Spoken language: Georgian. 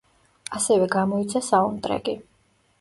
ასევე გამოიცა საუნდტრეკი.